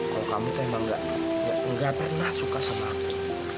kalau kamu tuh emang nggak nggak pernah suka sama aku